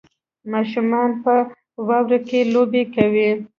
ماشومان په واورو کې لوبې کوي